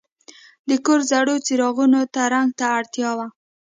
د کور زړو څراغونو ته رنګ ته اړتیا وه.